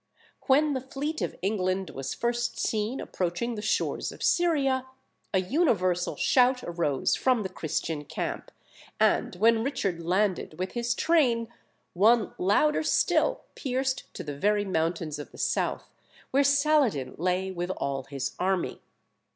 When the fleet of England was first seen approaching the shores of Syria, a universal shout arose from the Christian camp; and when Richard landed with his train, one louder still pierced to the very mountains of the south, where Saladin lay with all his army.